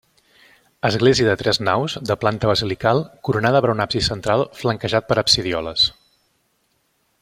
Església de tres naus de planta basilical coronada per un absis central flanquejat per absidioles.